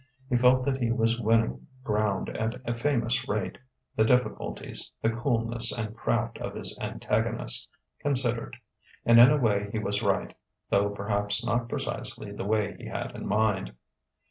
He felt that he was winning ground at a famous rate the difficulties, the coolness and craft of his antagonist, considered. And in a way he was right, though perhaps not precisely the way he had in mind.